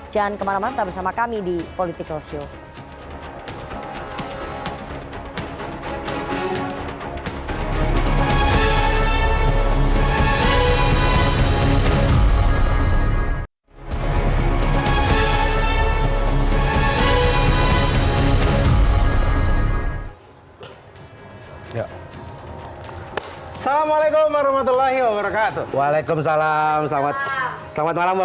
jangan kemana mana tetap bersama kami di political show